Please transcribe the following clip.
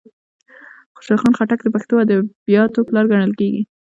خوشال خټک د پښتو ادبیاتوپلار کڼل کیږي.